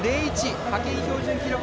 派遣標準記録